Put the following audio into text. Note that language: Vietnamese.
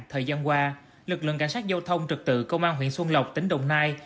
thời gian qua lực lượng cảnh sát giao thông trực tự công an huyện xuân lộc tỉnh đồng nai